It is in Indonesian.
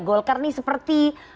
golkar ini seperti